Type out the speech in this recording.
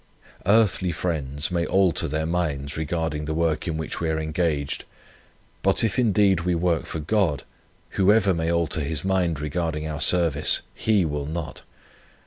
Earthly friends may alter their minds regarding the work in which we are engaged; but if indeed we work for God, whoever may alter His mind regarding our service, He will not.